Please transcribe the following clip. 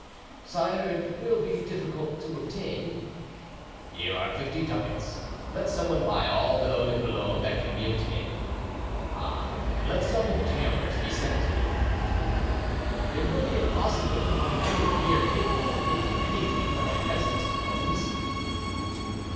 "Sire, it will be difficult to obtain." "Here are fifty ducats; let someone buy all the eau de Cologne that can be obtained. Ah—and let some tailors be sent to me." "It will be impossible to find anyone here capable of making anything but a peasant's clothes."